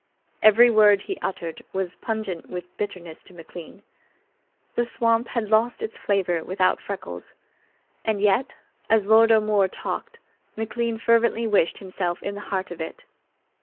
Every word he uttered was pungent with bitterness to McLean. The swamp had lost its flavor without Freckles; and yet, as Lord O'More talked, McLean fervently wished himself in the heart of it.